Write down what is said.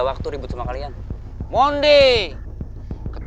ya udah beli banget